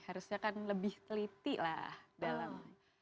harusnya kan lebih teliti lah dalam